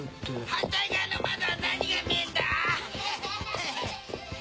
反対側の窓は何が見えんだ？